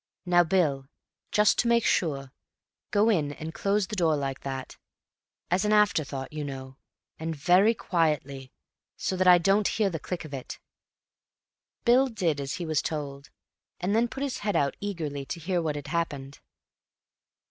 "Now, Bill, just to make sure, go in and close the door like that. As an afterthought, you know; and very quietly, so that I don't hear the click of it." Bill did as he was told, and then put his head out eagerly to hear what had happened.